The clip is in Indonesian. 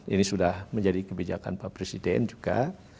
ini sudah menjadi kebijakan pak presiden juga